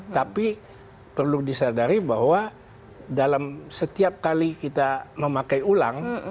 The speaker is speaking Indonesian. tapi perlu disadari bahwa dalam setiap kali kita memakai ulang